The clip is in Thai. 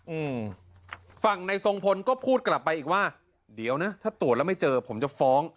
อืมฝั่งในทรงพลก็พูดกลับไปอีกว่าเดี๋ยวนะถ้าตรวจแล้วไม่เจอผมจะฟ้อง